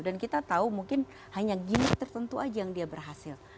dan kita tahu mungkin hanya gimmick tertentu aja yang dia berhasil